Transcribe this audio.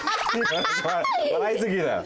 わらいすぎだよ。